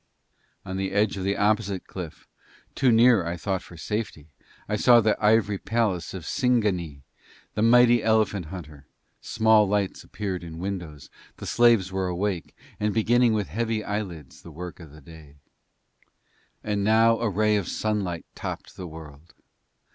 On the edge of the opposite cliff, too near I thought for safety, I saw the ivory palace of Singanee that mighty elephant hunter; small lights appeared in windows, the slaves were awake, and beginning with heavy eyelids the work of the day. And now a ray of sunlight topped the world.